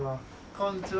こんにちは。